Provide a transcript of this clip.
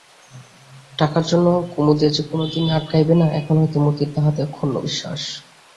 টাকার জন্য কুমুদের যে কোনোদিনই আটকাইবে না, এখন হইতে মতির তাহাতে অক্ষুন্ন বিশ্বাস।